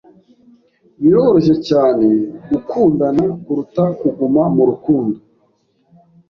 Biroroshye cyane gukundana kuruta kuguma mu rukundo.